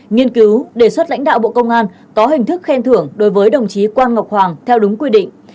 nghiên cứu đề xuất lãnh đạo bộ công an có hình thức khen thưởng đối với đồng chí quang ngọc hoàng theo đúng quy định